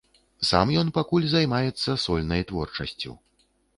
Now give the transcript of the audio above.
Сам ён пакуль займаецца сольнай творчасцю.